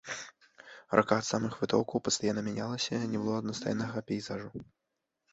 Рака ад самых вытокаў пастаянна мянялася, не было аднастайнага пейзажу.